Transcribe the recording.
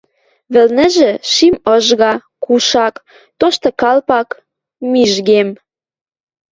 Вӹлнӹжӹ – шим ыжга, кушак, тошты калпак, мижгем.